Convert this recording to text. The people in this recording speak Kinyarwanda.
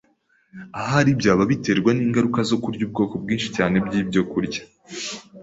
ahari byaba biterwa n’ingaruka zo kurya ubwoko bwinshi cyane bw’ibyokurya.